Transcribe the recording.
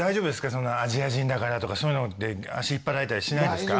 そのアジア人だからとかそういうので足引っ張られたりしないですか？